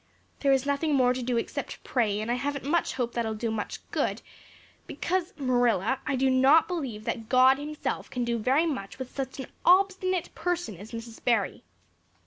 There is nothing more to do except to pray and I haven't much hope that that'll do much good because, Marilla, I do not believe that God Himself can do very much with such an obstinate person as Mrs. Barry."